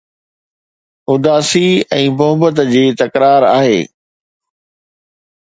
اداسي ۽ محبت جي تڪرار آهي